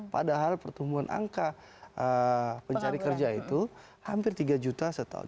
padahal pertumbuhan angka pencari kerja itu hampir tiga juta setahun